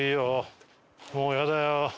もうやだよ。